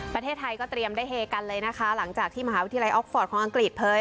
ประเทศไทยก็เตรียมได้เฮกันเลยนะคะหลังจากที่มหาวิทยาลัยออกฟอร์ตของอังกฤษเผย